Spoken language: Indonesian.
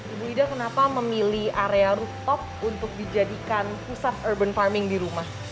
ibu ida kenapa memilih area rooftop untuk dijadikan pusat urban farming di rumah